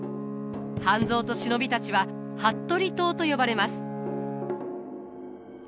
半蔵と忍びたちは服部党と呼ばれます。